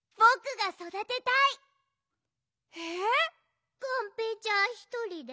がんぺーちゃんひとりで？